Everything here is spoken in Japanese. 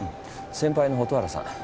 先輩の蛍原さん。